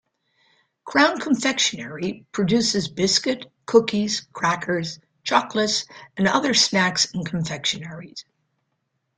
Crown Confectionery produces biscuit, cookies, crackers, chocolates and other snacks and confectioneries.